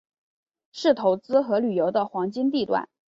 是投资和旅游的黄金地段。